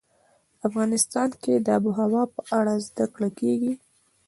افغانستان کې د آب وهوا په اړه زده کړه کېږي.